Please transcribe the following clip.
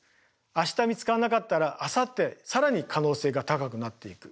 明日見つからなかったらあさって更に可能性が高くなっていく。